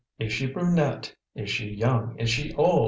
Is she brunette? Is she young? Is she old?